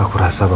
aku rasa mama